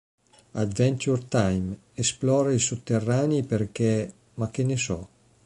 Adventure Time: Esplora i sotterranei perché... ma che ne so!